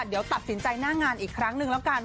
เดี๋ยวตัดสินใจหน้างานอีกครั้งนึงแล้วกัน